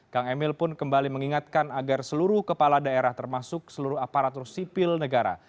kang emil pun kembali mengingatkan agar seluruh kepala daerah termasuk seluruh aparatur sipil negara